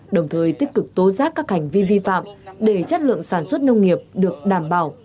lực tố giác các hành vi vi phạm để chất lượng sản xuất nông nghiệp được đảm bảo